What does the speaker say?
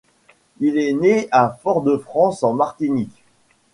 Il est né à Fort-de-France en Martinique.